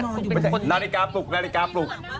นาฬิกาปลุก